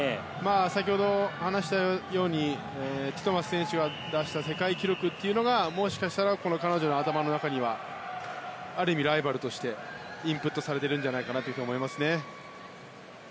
先ほど話したようにティトマス選手が出した世界記録がもしかしたら彼女の頭の中にはある意味、ライバルとしてインプットされているのかなと思いますね。